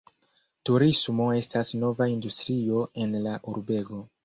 Turismo estas nova industrio en la urbego.